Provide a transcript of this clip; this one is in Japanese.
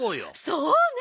そうね。